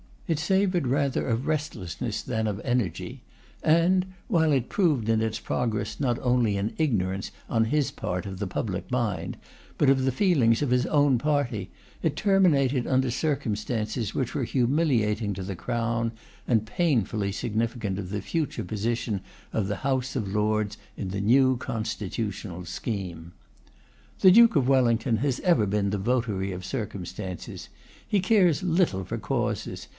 It savoured rather of restlessness than of energy; and, while it proved in its progress not only an ignorance on his part of the public mind, but of the feelings of his own party, it terminated under circumstances which were humiliating to the Crown, and painfully significant of the future position of the House of Lords in the new constitutional scheme. The Duke of Wellington has ever been the votary of circumstances. He cares little for causes.